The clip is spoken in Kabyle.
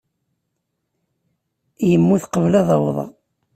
Yemmut qbel ad awḍeɣ.